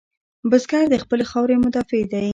بزګر د خپلې خاورې مدافع دی